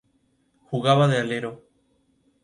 Se cree que mejora la digestión y la tolerancia a la leche.